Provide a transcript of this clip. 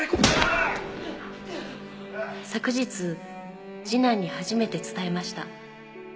「昨日次男にはじめて伝えました」